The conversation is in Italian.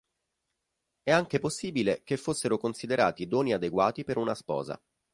È anche possibile che fossero considerati doni adeguati per una sposa.